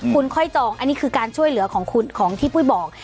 คุณค่อยจองอันนี้คือการช่วยเหลือของคุณของที่ปุ้ยบอก